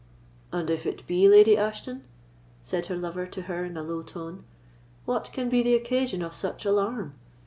"And if it be Lady Ashton," said her lover to her in a low tone, "what can be the occasion of such alarm?